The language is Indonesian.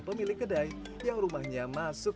pemilik kedai yang rumahnya masuk